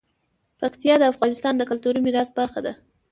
پکتیا د افغانستان د کلتوري میراث برخه ده.